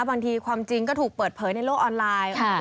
บางทีความจริงก็ถูกเปิดเผยในโลกออนไลน์